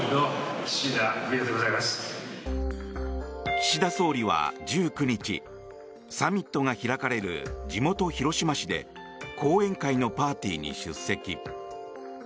岸田総理は１９日サミットが開かれる地元・広島市で後援会のパーティーに出席。